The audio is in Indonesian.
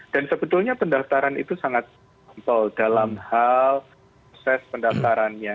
dan sebetulnya pendaftaran itu sangat sampul dalam hal proses pendaftarannya